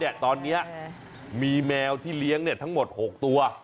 ในวัดเนี่ยตอนนี้มีแมวที่เลี้ยงเนี่ยทั้งหมด๖ตัว